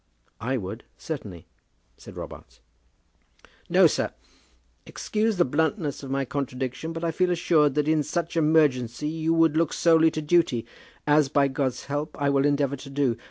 "I would, certainly," said Robarts. "No, sir! Excuse the bluntness of my contradiction, but I feel assured that in such emergency you would look solely to duty, as by God's help, I will endeavour to do.